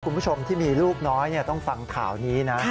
คุณผู้ชมที่มีลูกน้อยต้องฟังข่าวนี้นะ